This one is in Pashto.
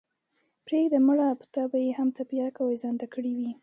پرېږده مړه په تا به ئې هم څپياكه اوېزانده كړې وي۔